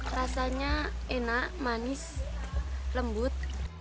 rasanya enak manis lembut